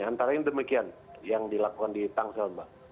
antara ini demikian yang dilakukan di tangsel mbak